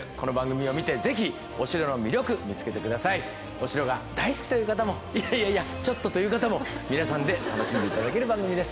お城が大好きという方もいやいやいやちょっとという方も皆さんで楽しんで頂ける番組です。